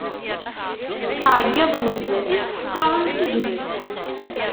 Ttɛeggiḍen zdat-s, qqaren: Seǧǧdet!